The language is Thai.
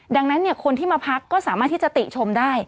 ดังนั้นคนที่มาพักก็สามารถที่จะติชมได้